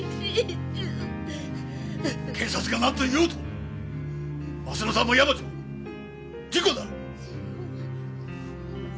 警察がなんと言おうと鱒乃さんも山路も事故だ！